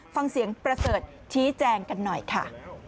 ฟังเสียงประเสริฐชี้แจงกันหน่อยค่ะ